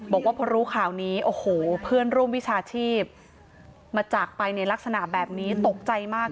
บอกว่าพอรู้ข่าวนี้โอ้โหเพื่อนร่วมวิชาชีพมาจากไปในลักษณะแบบนี้ตกใจมาก